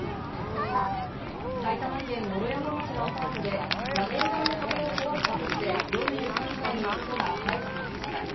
埼玉県毛呂山町のアパートで屋根裏の壁を壊したとして、４３歳の男が逮捕されました。